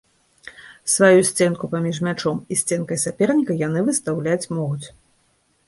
Сваю сценку паміж мячом і сценкай саперніка яны выстаўляць могуць.